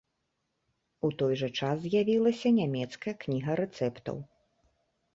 У той жа час з'явілася нямецкая кніга рэцэптаў.